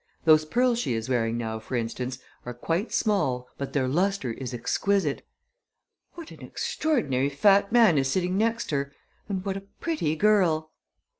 Those pearls she is wearing now, for instance, are quite small, but their luster is exquisite. What an extraordinary fat man is sitting next her and what a pretty girl!"